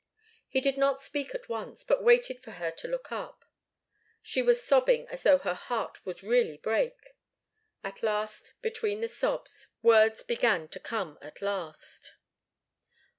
He did not speak at once, but waited for her to look up. She was sobbing as though her heart would really break. At last, between the sobs, words began to come at last.